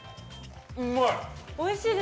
うまい！